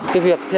cái việc theo